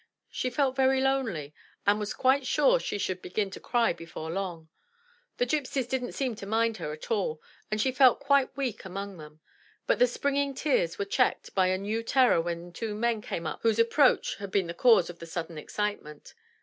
She felt very lonely, and was quite sure she should begin to cry before long; the gypsies didn't seem to mind her at all, and she felt quite weak among them. But the springing tears were checked by a new terror when two men came up whose ap proach had been the cause of the sudden excitement.